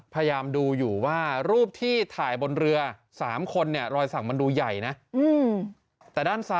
พยายามดูอยู่ว่ารูปที่ถ่ายบนเรือ๓คนเนี่ยรอยสั่งมันดูใหญ่นะ